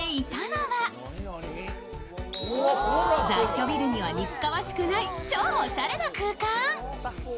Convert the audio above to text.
雑居ビルには似つかわしくない超おしゃれな空間。